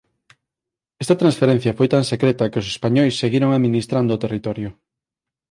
Esta transferencia foi tan secreta que os españois seguiron administrando o territorio.